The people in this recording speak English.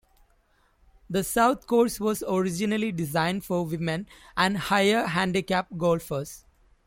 The South Course was originally designed for women and higher handicap golfers.